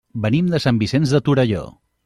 Venim de Sant Vicenç de Torelló.